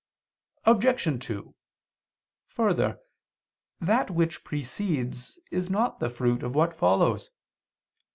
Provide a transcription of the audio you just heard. Obj. 2: Further, that which precedes is not the fruit of what follows.